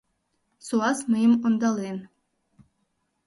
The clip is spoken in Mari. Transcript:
Суас мыйым ондален.